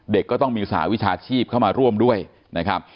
ก็ต้องมีสหวิชาชีพเข้ามาร่วมด้วยนะครับ